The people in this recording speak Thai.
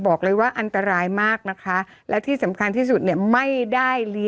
บอกเลยว่าอันตรายมากนะคะ